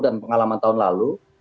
dan pengalaman tahun lalu